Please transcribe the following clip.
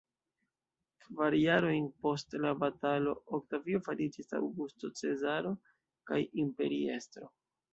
Kvar jarojn post la batalo Oktavio fariĝis Aŭgusto Cezaro kaj imperiestro.